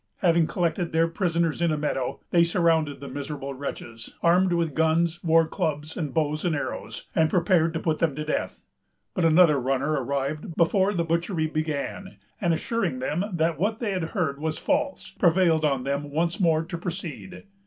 Having collected their prisoners in a meadow, they surrounded the miserable wretches, armed with guns, war clubs, and bows and arrows, and prepared to put them to death. But another runner arrived before the butchery began, and, assuring them that what they had heard was false, prevailed on them once more to proceed.